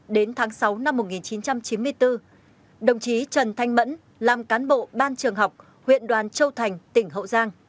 đến tháng sáu năm một nghìn chín trăm chín mươi bốn đồng chí trần thanh mẫn làm cán bộ ban trường học huyện đoàn châu thành tỉnh hậu giang